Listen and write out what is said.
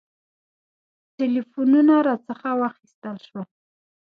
ټلفونونه راڅخه واخیستل شول.